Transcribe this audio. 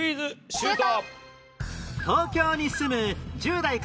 シュート！